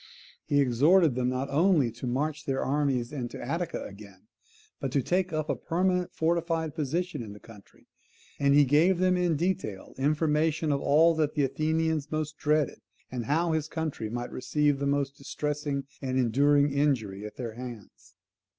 He exhorted them not only to march their armies into Attica again, but to take up a permanent fortified position in the country: and he gave them in detail information of all that the Athenians most dreaded, and how his country might receive the most distressing and enduring injury at their hands.